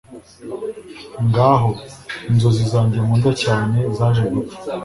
ngaho, inzozi zanjye nkunda cyane zaje gupfa